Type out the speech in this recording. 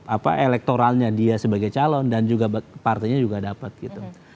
apa elektoralnya dia sebagai calon dan juga partainya juga dapat gitu